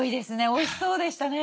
おいしそうでしたね。